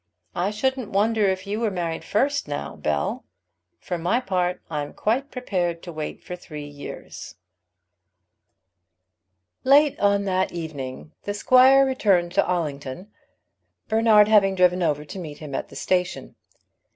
"I shouldn't wonder if you were married first now, Bell. For my part I'm quite prepared to wait for three years." Late on that evening the squire returned to Allington, Bernard having driven over to meet him at the station.